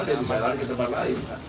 dia bisa lari ke tempat lain